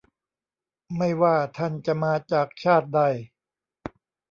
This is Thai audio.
ไม่ว่าท่านจะมาจากชาติใด